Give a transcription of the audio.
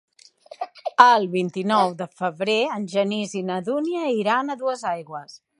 El vint-i-nou de febrer en Genís i na Dúnia iran a Duesaigües.